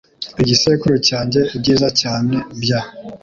"Igisekuru cyanjye: Ibyiza cyane bya ..."